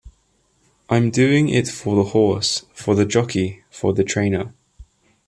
I'm doing it for the horse, for the jockey, for the trainer.